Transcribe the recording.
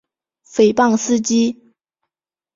毁谤司机